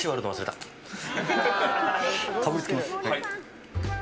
かぶりつきます！